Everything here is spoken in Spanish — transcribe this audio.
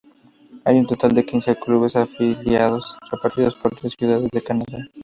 Hay un total de quince clubes afiliados repartidos por diez ciudades de Canadá.